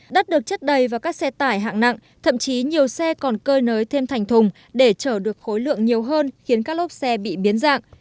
đất được chất đầy và các xe tải hạng nặng thậm chí nhiều xe còn cơi nới thêm thành thùng để chở được khối lượng nhiều hơn khiến các lốp xe bị biến dạng